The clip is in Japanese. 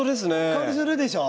香りするでしょう？